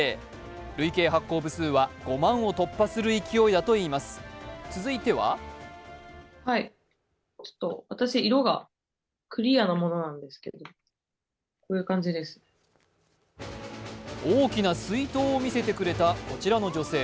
累計発行部数は５万を突破する勢いだといいます、続いては大きな水筒を見せてくれた、こちらの女性。